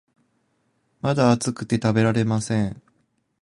まだ熱くて食べられません